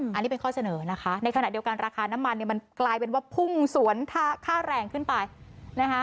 อันนี้เป็นข้อเสนอนะคะในขณะเดียวกันราคาน้ำมันเนี่ยมันกลายเป็นว่าพุ่งสวนค่าแรงขึ้นไปนะคะ